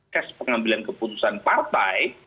kes pengambilan keputusan partai